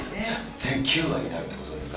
全９話になるってことですか？